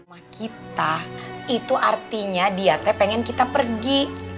sama kita itu artinya diate pengen kita pergi